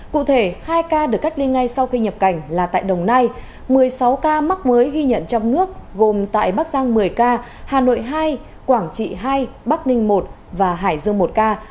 cụ thể hai ca được cách ly ngay sau khi nhập cảnh là tại đồng nai một mươi sáu ca mắc mới ghi nhận trong nước gồm tại bắc giang một mươi ca hà nội hai quảng trị hai bắc ninh một và hải dương một ca